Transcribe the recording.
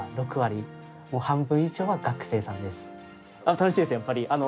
楽しいですよ、やっぱり。